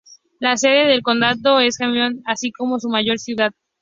La sede del condado es Hamilton, así como su mayor ciudad.